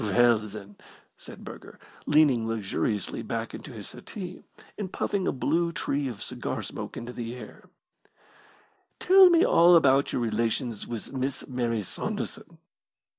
"Well, then," said Burger, leaning luxuriously back in his settee, and puffing a blue tree of cigar smoke into the air, "tell me all about your relations with Miss Mary Saunderson."